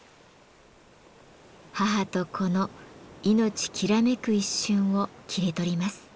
母と子の命きらめく一瞬を切り取ります。